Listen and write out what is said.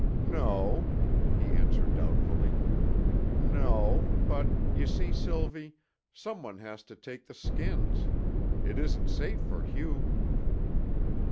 "No," he answered doubtfully, "n no; but, you see, Sylvie, some one has to take the skins. It isn't safe for Hugh."